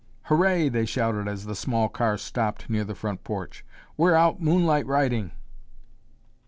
"Hurray!" they shouted as the small car stopped near the front porch. "We're out moonlight riding."